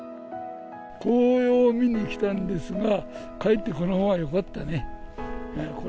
紅葉を見に来たんですが、かえってこのほうがよかったね。